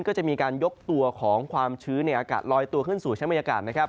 ก็จะมีการยกตัวของความชื้นในอากาศลอยตัวขึ้นสู่ชั้นบรรยากาศนะครับ